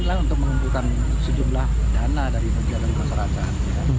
adalah untuk mengumpulkan sejumlah dana dari pejabat pejabat